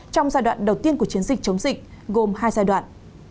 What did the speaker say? trong giai đoạn đầu tiên của chiến dịch chống dịch gồm hai giai đoạn